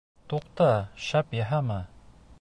Туҡта, шәп яһама.